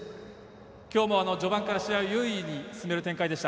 きょうも序盤から試合を優位に進める展開でした。